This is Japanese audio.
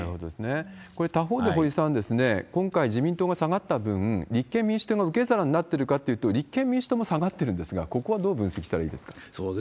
これ、他方で堀さん、今回、自民党が下がった分、立憲民主党が受け皿になってるかっていうと、立憲民主党も下がってるんですが、ここはどう分析したらいいですか？